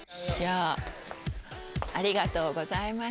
ありがとうございます。